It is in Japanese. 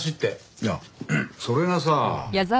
いやそれがさ。